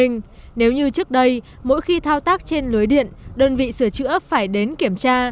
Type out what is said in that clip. nếu như trước đây mỗi khi thao tác trên lưới điện đơn vị sửa chữa phải đến kiểm tra